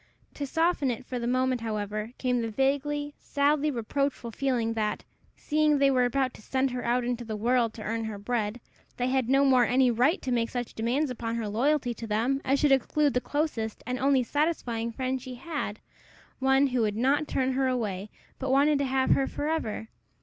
To soften it for the moment, however, came the vaguely, sadly reproachful feeling, that, seeing they were about to send her out into the world to earn her bread, they had no more any right to make such demands upon her loyalty to them as should exclude the closest and only satisfying friend she had one who would not turn her away, but wanted to have her for ever.